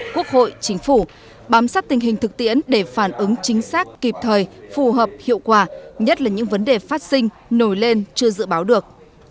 quốc hội chính phủ bám sát tình hình thực tiễn để phản ứng chính xác kịp thời phù hợp hiệu quả nhất là những vấn đề phát sinh nổi lên chưa dự báo được